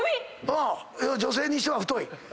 女性にしては太い。